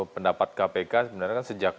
pendapat kpk sebenarnya kan sejak